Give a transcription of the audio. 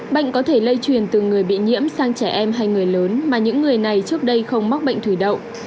bệnh có thể lây truyền từ người bị nhiễm sang trẻ em hay người lớn mà những người này trước đây không mắc bệnh thủy đậu